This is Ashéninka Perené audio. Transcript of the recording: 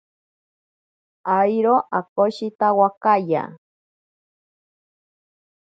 Airo akoshitawakaya.